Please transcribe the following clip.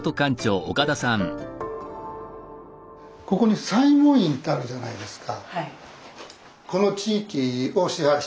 ここに西門院ってあるじゃないですか。